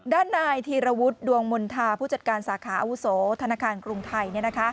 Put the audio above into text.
ด้านนายธีรวุฒิดวงมณฑาผู้จัดการสาขาอาวุโสธนาคารกรุงไทย